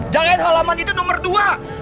jangan halaman itu nomor dua